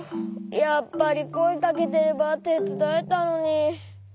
やっぱりこえかけてればてつだえたのに。